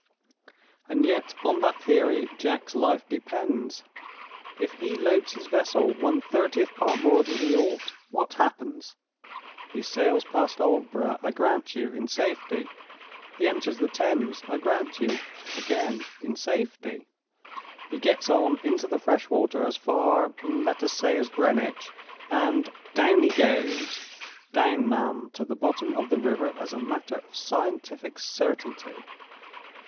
And yet on that theory Jack's life depends. If he loads his vessel one thirtieth part more than he ought, what happens? He sails past Aldborough, I grant you, in safety. He enters the Thames, I grant you again, in safety. He gets on into the fresh water as far, let us say, as Greenwich; and—down he goes! Down, ma'am, to the bottom of the river, as a matter of scientific certainty!"